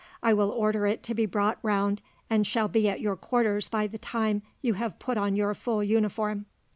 I will order it to be brought round, and shall be at your quarters by the time you have put on your full uniform."